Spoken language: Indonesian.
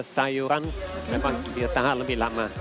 sayuran memang biar tahan lebih lama